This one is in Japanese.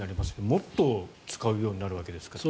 もっと使うようになるわけですから。